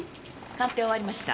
鑑定終わりました。